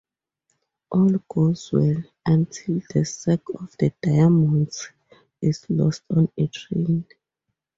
All goes well, until the sack of diamonds is lost on a train.